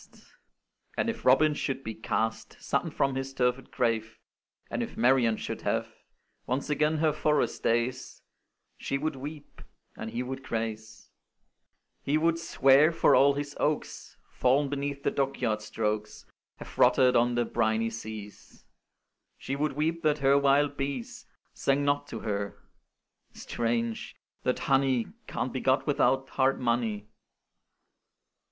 And if Robin should be cast Sudden from his turfed grave, And if Marian should have Once again her forest days, She would weep, and he would craze: He would swear, for all his oaks, Fall'n beneath the dockyard strokes, Have rotted on the briny seas; She would weep that her wild bees Sang not to her strange! that honey Can't be got without hard money!